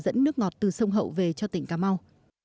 dẫn nước ngọt từ sông hậu về cho tỉnh cà mau